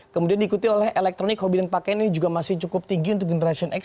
kemudian diikuti oleh elektronik hobi dan pakaian ini juga masih cukup tinggi untuk generation x